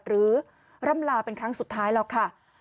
หรือรำลาเป็นครั้งสุดท้ายหรอกค่ะ